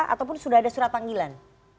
ataupun sudah ada surat panggilan